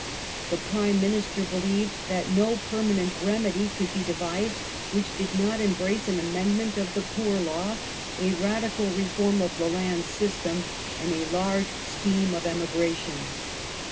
The Prime Minister believed that no permanent remedy could be devised which did not embrace an amendment of the poor law, a radical reform of the land system, and a large scheme of/ emigration.